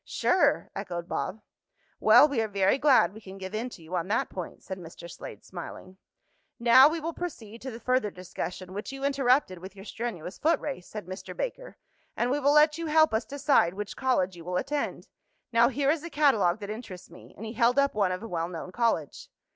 "Sure!" echoed Bob. "Well, we are very glad we can give in to you on that point," said Mr. Slade, smiling. "Now we will proceed to the further discussion, which you interrupted with your strenuous foot race," said Mr. Baker, "and we will let you help us decide which college you will attend. Now here is a catalogue that interests me," and he held up one of a well known college.